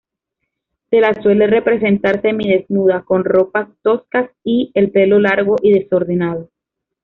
Se la suele representar semidesnuda, con ropas toscas y el pelo largo y desordenado.